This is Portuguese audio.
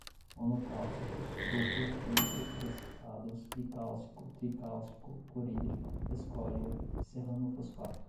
monocálcicos, duplo, triplo, precipitados, bicálcico, tricálcico, clorídrico, escória, serranofosfato